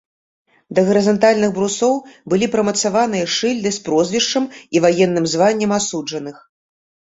Да гарызантальных брусоў былі прымацаваныя шыльды з прозвішчам і ваенным званнем асуджаных.